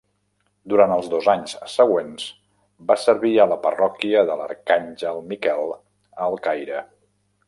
Durant els dos anys següents va servir a la parròquia de l'Arcàngel Miquel al Caire.